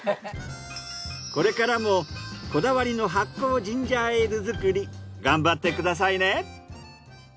これからもこだわりの発酵ジンジャーエールづくり頑張ってくださいね。